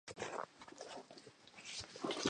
New roads brought development opportunities.